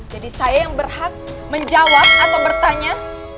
jadi saya yang berhak menjawab atau bertanya